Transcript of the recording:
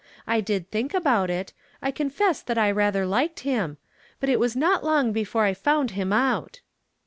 I did think about it. I confess that I rather liked him. But it was not long before I found him out."